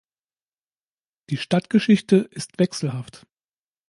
Die Stadtgeschichte ist wechselhaft.